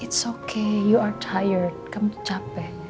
tak apa kamu ketiduran kamu capek